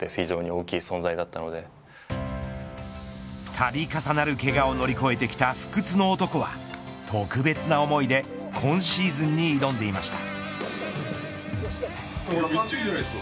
度重なるけがを乗り越えてきた不屈の男は特別な思いで今シーズンに挑んでいました。